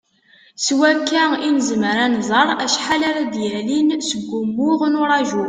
S wakka i nezmer ad nẓer acḥal ara d-yalin seg wumuɣ n uraju.